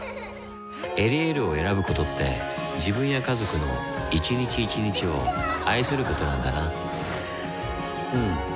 「エリエール」を選ぶことって自分や家族の一日一日を愛することなんだなうん。